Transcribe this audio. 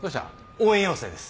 応援要請です。